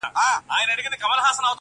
o بس پښتونه چي لښکر سوې نو د بل سوې,